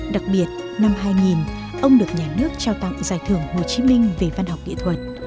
đặc biệt năm hai nghìn ông được nhà nước trao tặng giải thưởng hồ chí minh về văn học nghệ thuật